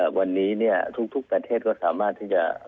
วันนี้ทุกประเทศก็สามารถที่จะ